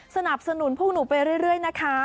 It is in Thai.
สนับสนุนพวกหนูไปเรื่อยนะคะ